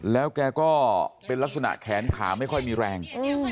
แล้วแกก็เป็นลักษณะแขนขาไม่ค่อยมีแรง